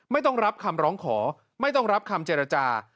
ไม่ต้องรับคำร้องขอไม่ต้องรับคำเจรจา